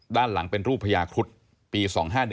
ด้านหลังเป็นรูปพญาครุฑปี๒๕๑